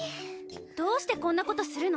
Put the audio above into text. どうしてこんなことするの？